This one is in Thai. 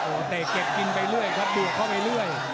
โอ้โหเตะเก็บกินไปเรื่อยครับบวกเข้าไปเรื่อย